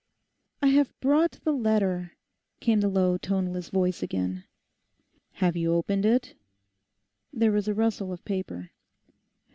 'I have brought the letter,' came the low toneless voice again. 'Have you opened it?' There was a rustle of paper.